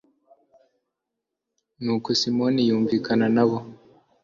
nuko simoni yumvikana na bo